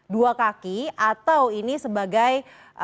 dua kaki atau ini sebagai